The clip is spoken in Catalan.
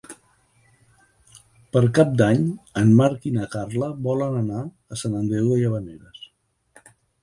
Per Cap d'Any en Marc i na Carla volen anar a Sant Andreu de Llavaneres.